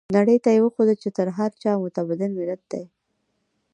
نړۍ ته يې وښوده چې تر هر چا متمدن ملت دی.